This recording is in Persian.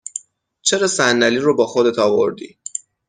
چرا صندلی رو با خودت آوردی؟